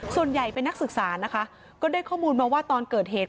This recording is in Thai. ส่วนใหญ่เป็นนักศึกษานะคะก็ได้ข้อมูลมาว่าตอนเกิดเหตุ